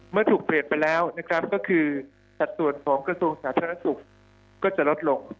เมื่อถูกเปลี่ยนไปแล้วนะครับก็คือสัดส่วนของกระทรวงสาธารณสุขก็จะลดลง